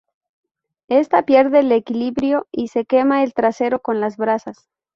Ésta pierde el equilibrio y se quema el trasero con las brasas.